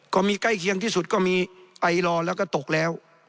ใกล้เคียงที่สุดก็มีไอลอร์แล้วก็ตกแล้ว